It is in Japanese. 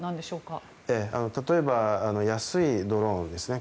例えば安いドローンですね